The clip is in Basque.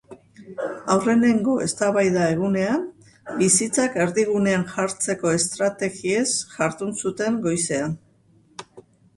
Aurrenengo eztabaida egunean, bizitzak erdigunean jartzeko estrategiez jardun zuten goizean.